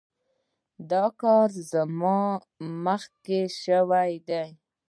دا کار زما مخکې شوی دی.